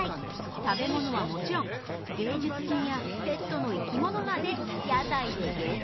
食べ物はもちろん芸術品やペットの生き物まで屋台でゲット。